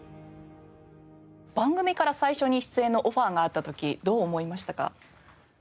番組から最初に出演のオファーがあった時どう思いましたか？